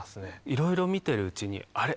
いろいろ見ているうちにあれ？